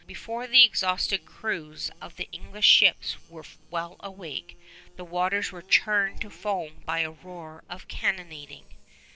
Before the exhausted crews of the English ships were well awake, the waters were churned to foam by a roar of cannonading.